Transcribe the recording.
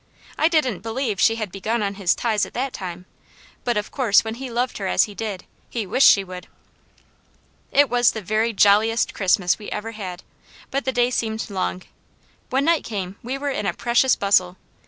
I didn't believe she had begun on his ties at that time; but of course when he loved her as he did, he wished she would. It was the very jolliest Christmas we ever had, but the day seemed long. When night came we were in a precious bustle.